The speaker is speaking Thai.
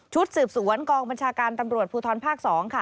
สืบสวนกองบัญชาการตำรวจภูทรภาค๒ค่ะ